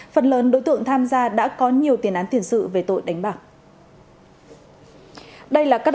phần lớn đối tượng tham gia đã có nhiều tiền án tiền sự về tội đánh bạc